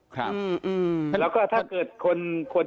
แล้วก็ถ้าเกิดคน